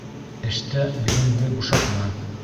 Эштә билеңде бушатма.